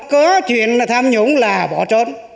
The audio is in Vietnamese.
có chuyện tham nhũng là bỏ trốn